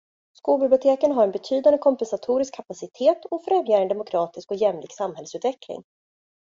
Skolbiblioteken har en betydande kompensatorisk kapacitet och främjar en demokratisk och jämlik samhällsutveckling.